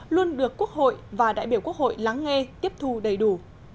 luôn được quốc hội và đại biểu quốc hội lắng nghe tiếp thu đầy đủ